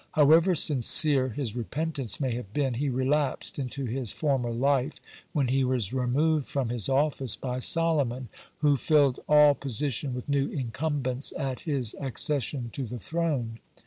However sincere his repentance may have been, he relapsed into his former life when he was removed from his office by Solomon, who filled all position with new incumbents at his accession to the throne.